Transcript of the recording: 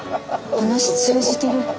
話通じてる。